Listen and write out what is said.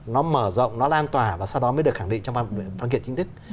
nó mở rộng nó lan tỏa và sau đó mới được khẳng định trong văn kiện chính thức